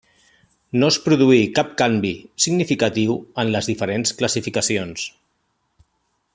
No es produí cap canvi significatiu en les diferents classificacions.